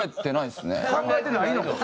考えてないのか。